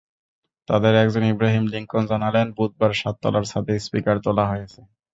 তাঁদের একজন ইব্রাহিম লিংকন জানালেন, বুধবার সাততলার ছাদে স্পিকার তোলা হয়েছে।